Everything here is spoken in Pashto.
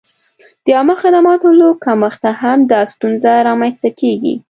د عامه خدماتو له کمښته هم دا ستونزه را منځته کېږي.